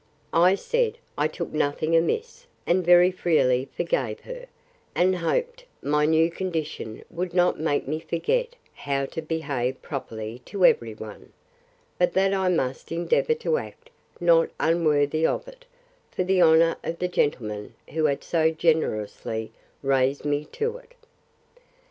I said, I took nothing amiss; and very freely forgave her; and hoped my new condition would not make me forget how to behave properly to every one; but that I must endeavour to act not unworthy of it, for the honour of the gentleman who had so generously raised me to it.